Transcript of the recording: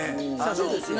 そうですね。